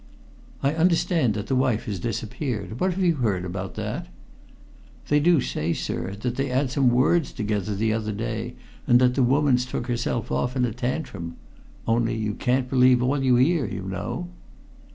"I understand that the wife has disappeared. What have you heard about that?" "They do say, sir, that they 'ad some words together the other day, and that the woman's took herself off in a tantrum. Only you can't believe all you 'ear, you know."